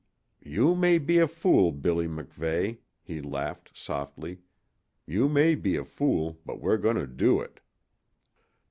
"You may be a fool, Billy MacVeigh," he laughed, softly. "You may be a fool, but we're going to do it!"